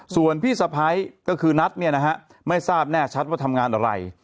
ส่วนพี่สะพ้ายก็คือนัทเนี่ยนะฮะไม่ทราบแน่ชัดว่าทำงานอะไร